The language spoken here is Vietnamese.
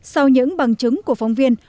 sau những bằng chứng của phóng viên